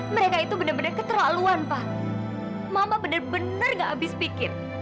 mereka itu benar benar keterlaluan pa mama benar benar enggak habis pikir